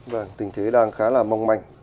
vâng tình thế đang khá là mong manh